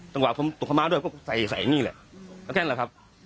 จังหวะผมตกขม้าด้วยก็ใส่ใส่นี่แหละก็แค่นั้นแหละครับ